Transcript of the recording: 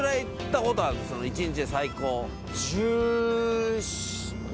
一日で最高。